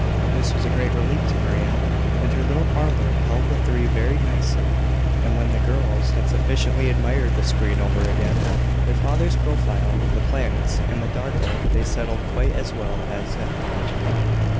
This was a great relief to Maria, and her little parlour held the three very nicely; and when the girls had sufficiently admired the screen over again, their father's profile, the planets, and the Dargle, they settled quite as well as at home.